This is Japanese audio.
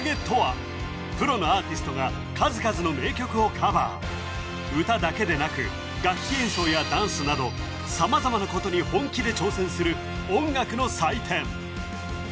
ＵＴＡＧＥ！とはプロのアーティストが数々の名曲をカバー歌だけでなく楽器演奏やダンスなど様々なことに本気で挑戦する音楽の祭典